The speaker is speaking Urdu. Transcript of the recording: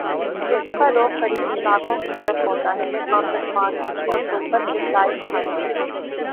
اس کا رخ غریب علاقوں کی طرف ہوتا ہے، جہاں پسماندگی اور غربت کے سائے چھائے ہیں۔